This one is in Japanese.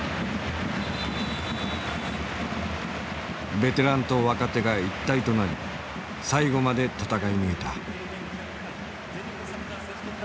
ベテランと若手が一体となり最後まで戦い抜いた。